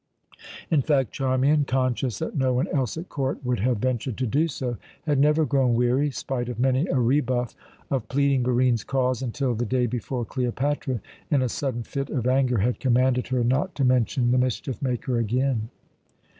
In fact, Charmian, conscious that no one else at court would have ventured to do so, had never grown weary, spite of many a rebuff, of pleading Barine's cause until, the day before, Cleopatra, in a sudden fit of anger, had commanded her not to mention the mischief maker again.